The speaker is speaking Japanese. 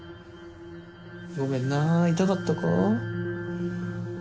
ごめんな痛かったか？